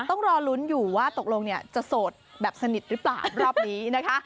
ต้องรอลุ้นอยู่ว่าตกลงเนี่ยจะโสดแบบสนิทหรือเปล่ารอบนี้นะคะ